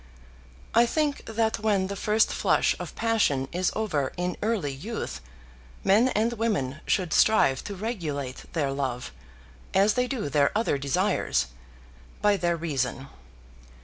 I think that when the first flush of passion is over in early youth men and women should strive to regulate their love, as they do their other desires, by their reason.